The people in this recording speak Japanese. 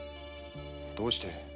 どうして！？